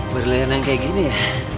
berlian yang kayak gini ya